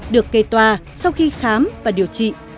được kê toà sau khi khám và điều trị